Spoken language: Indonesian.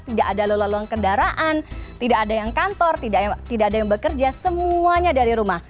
tidak ada lelu lalu kendaraan tidak ada yang kantor tidak ada yang bekerja semuanya dari rumah